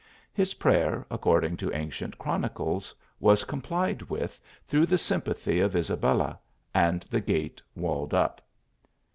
His prayer, according to ancient chronicles, was complied with, through the sympathy of Isabella, and the gate walled up.